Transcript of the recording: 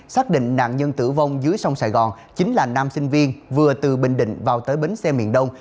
xác định nạn nhân tử vong dưới sông sài gòn chính là nam sinh viên vừa từ bình định vào tới bến xe miền đông